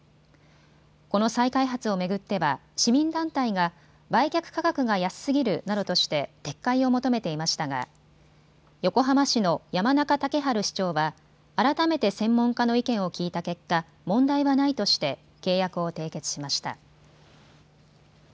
この再開発を巡っては市民団体が売却価格が安すぎるなどとして撤回を求めていましたが横浜市の山中竹春市長は改めて専門家の意見を聞いた結果、問題はないとして契約を締結しました。